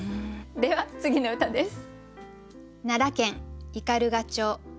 では次の歌です。